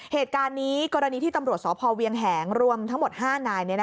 เหตุการณ์นี้กรณีที่ตำรวจสพเวียงแหงรวมทั้งหมด๕นาย